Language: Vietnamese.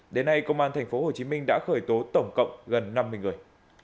đến nay công an tp hcm đã khởi tố tổng cộng gần năm mươi người